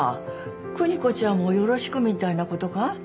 「邦子ちゃんをよろしく」みたいなことか？